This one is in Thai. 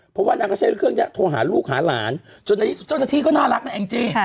เพราะว่านางก็ใช้เครื่องนี้โทรหาลูกหาหลานจนในที่สุดเจ้าหน้าที่ก็น่ารักนะแองจี้